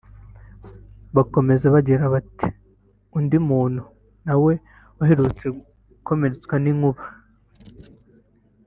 Bakomeza bagira bati « Undi muntu na we aherutse gukomeretswa n’inkuba